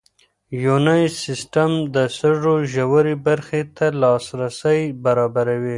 یوني سیسټم د سږو ژورې برخې ته لاسرسی برابروي.